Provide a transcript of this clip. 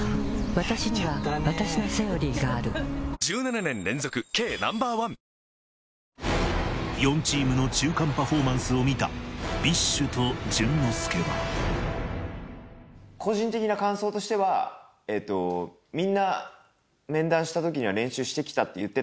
わたしにはわたしの「セオリー」がある１７年連続軽ナンバーワン４チームの中間パフォーマンスを見たＢｉＳＨと淳之介は個人的な感想としてはえっとみんな面談した時には。